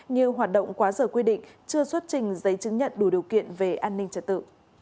như hoạt động quá giờ quy định chưa xuất trình giấy chứng nhận đủ điều kiện về an ninh trật tự